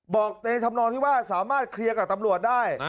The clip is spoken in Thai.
บอกในธรรมนองที่ว่าสามารถเคลียร์กับตำรวจได้